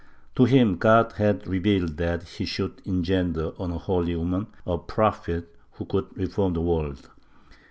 To him God had revealed that he should engender on a holy woman a prophet who should reform the world.